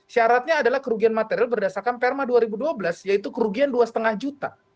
syaratnya adalah kerugian material berdasarkan perma dua ribu dua belas yaitu kerugian dua lima juta